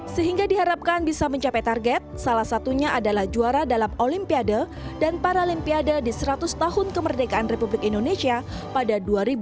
sehingga diharapkan bisa mencapai target salah satunya adalah juara dalam olimpiade dan paralimpiade di seratus tahun kemerdekaan republik indonesia pada dua ribu dua puluh